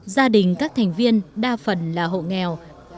gia đình các thành viên đa phần là hộ nghèo